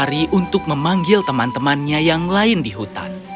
lari untuk memanggil teman temannya yang lain di hutan